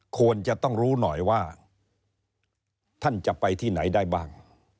ควรจะต้องรู้หน่อยว่าท่านจะไปที่ไหนได้บ้าง